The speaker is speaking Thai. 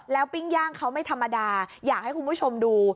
แล้วปิ้งย่างเขาไม่ธรรมดาอยากให้คุณผู้ชมดู